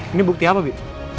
ini bukti apa bi